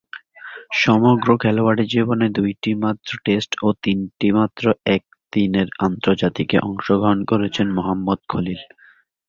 সমগ্র খেলোয়াড়ী জীবনে দুইটিমাত্র টেস্ট ও তিনটিমাত্র একদিনের আন্তর্জাতিকে অংশগ্রহণ করেছেন মোহাম্মদ খলিল।